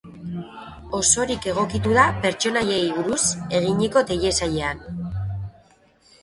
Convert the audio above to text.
Osorik egokitu da pertsonaiei buruz eginiko telesailean.